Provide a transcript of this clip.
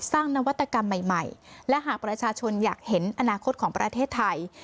นวัตกรรมใหม่และหากประชาชนอยากเห็นอนาคตของประเทศไทย